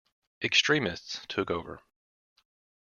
Extremists took over.